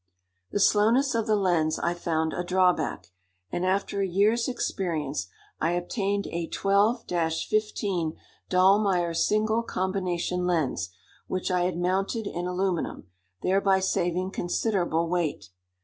The slowness of the lens I found a drawback, and after a year's experience I obtained a 12 15 Dallmeyer single combination lens, which I had mounted in aluminum, thereby saving considerable weight.